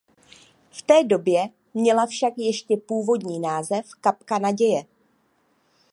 V té době měla však ještě původní název "Kapka naděje".